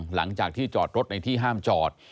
หลังจากที่จอดรถในที่ห้ามจอด